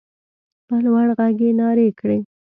په لوړ غږ يې نارې کړې.